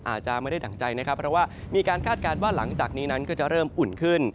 อาจจะไม่ได้ดั่งใจนะครับเพราะว่ามีการคาดการณ์ว่าหลังจากนี้นั้นก็จะเริ่มอุ่นขึ้น